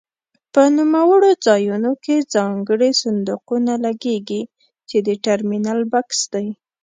په نوموړو ځایونو کې ځانګړي صندوقونه لګېږي چې د ټرمینل بکس دی.